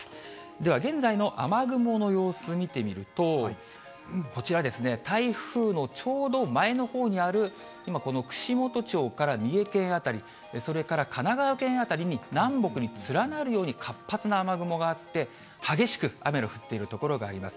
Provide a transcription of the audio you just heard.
では現在の雨雲の様子、見てみると、こちらですね、台風のちょうど前のほうにある、今この串本町から三重県辺り、それから神奈川県辺りに南北に連なるように活発な雨雲があって、激しく雨の降っている所があります。